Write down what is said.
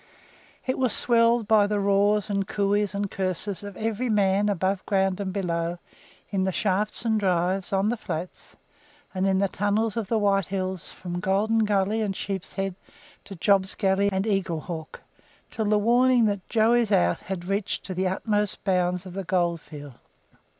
It was swelled by the roars, and cooeys, and curses of every man above ground and below, in the shafts and drives on the flats, and in the tunnels of the White Hills, from Golden Gully and Sheep's Head, to Job's Gully and Eaglehawk, until the warning that "Joey's out" had reached to the utmost bounds of the goldfield.